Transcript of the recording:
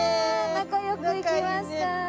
仲良く行きました！